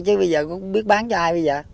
chứ bây giờ cũng biết bán cho ai bây giờ